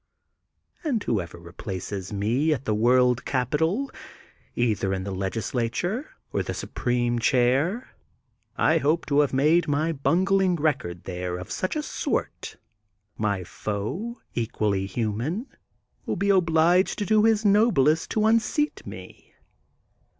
And who ever replaces me at the World Capitol^ either in the legislature or the supremef chair, I hope to have made my bungling record there of such a sort, my foe, equally hxunan, will be obliged |;o do his noblest to unseat me.